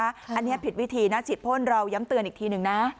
อันนี้ผิดวิธีนะฉีดพ่นเราย้ำเตือนอีกทีหนึ่งนะ